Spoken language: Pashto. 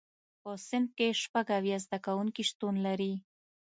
په صنف کې شپږ اویا زده کوونکي شتون لري.